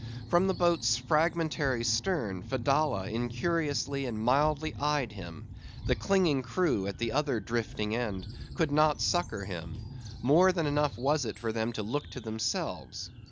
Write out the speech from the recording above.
From the boat's fragmentary stern, Fedallah incuriously and mildly eyed him; the clinging crew, at the other drifting end, could not succor him; more than enough was it for them to look to themselves.